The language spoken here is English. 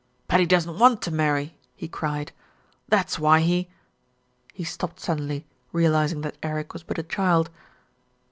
"But he doesn't want to marry," he cried. "That's why he " He stopped suddenly, realising that Eric was but a child.